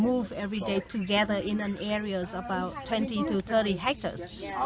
mereka bergerak setiap hari bersama di kawasan sekitar dua puluh tiga puluh hektare